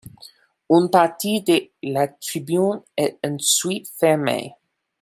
Une partie de la tribune est ensuite fermée.